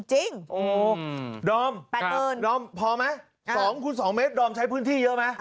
โอ้โฮดอมพอไหม๒คูณ๒เมตรดอมใช้พื้นที่เยอะไหม